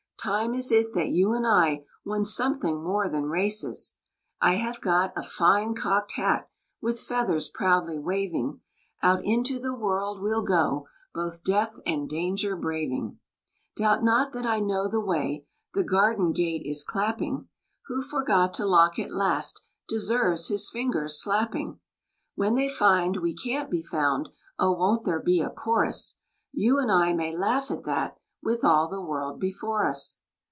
Time is it that you and I won something more than races. I have got a fine cocked hat, with feathers proudly waving; Out into the world we'll go, both death and danger braving. Doubt not that I know the way the garden gate is clapping: Who forgot to lock it last deserves his fingers slapping. When they find we can't be found, oh won't there be a chorus! You and I may laugh at that, with all the world before us.